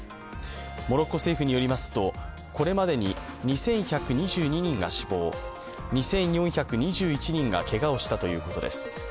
モロッコ政府によりますと、これまでに２１２２人が死亡、２４２１人がけがをしたということです。